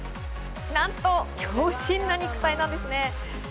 なんと強靱な肉体なんですね。